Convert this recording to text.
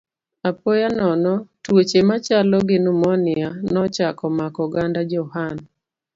Apoya nono, tuoche machalo gi pneumonia nochako mako oganda Jo-Hun.